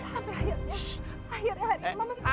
sampai akhirnya akhirnya mama bisa